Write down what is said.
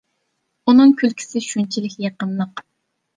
ئۇنىڭ كۈلكىسى شۇنچىلىك يېقىملىق.